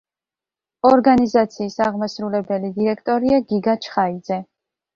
ორგანიზაციის აღმასრულებელი დირექტორია გიგა ჩხაიძე.